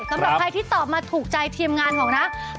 สำหรับใครที่ตอบมาถูกใจทีมงานของนะ